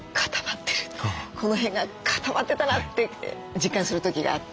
この辺が固まってたなって実感する時があって。